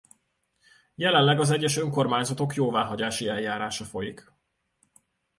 Jelenleg az egyes önkormányzatok jóváhagyási eljárása folyik.